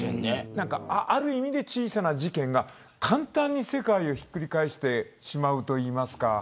ある意味で小さな事件が簡単に世界をひっくり返してしまうといいますか。